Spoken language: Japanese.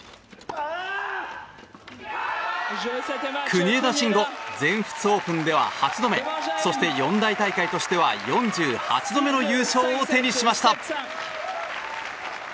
国枝慎吾全仏オープンでは８度目そして、四大大会としては４８度目の優勝を手にしました。